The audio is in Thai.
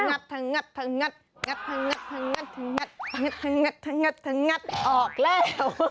งัดงัดออกแล้ว